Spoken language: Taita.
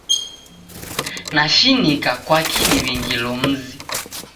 Nashinika kwaki niw'ingilo mzi.